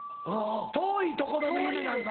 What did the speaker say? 遠いところの夢なんだ。